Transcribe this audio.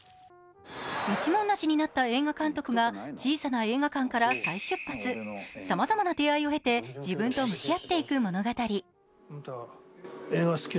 一文無しになった映画監督が、小さな映画館から再出発さまざまな出会いを経て、自分と向き合っていく物語。